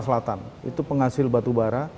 selatan itu penghasil batubara